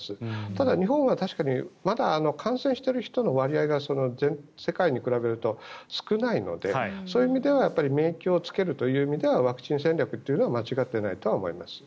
ただ、日本は確かに感染している人の割合が世界に比べると少ないのでそういう意味では免疫をつけるという意味ではワクチン戦略は間違っていないとは思います。